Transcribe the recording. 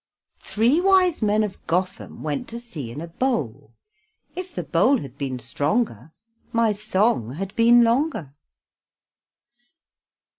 Three wise men of Gotham, Went to sea in a bowl; If the bowl had been stronger, My song had been longer.